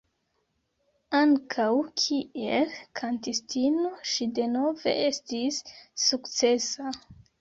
Ankaŭ kiel kantistino ŝi denove estis sukcesa.